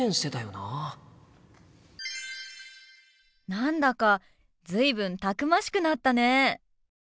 何だか随分たくましくなったね。